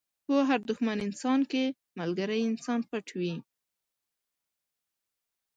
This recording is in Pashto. په هر دښمن انسان کې ملګری انسان پټ وي.